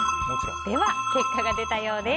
では、結果が出たようです。